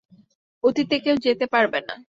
অতীতে কেউ যেতে পারবে না।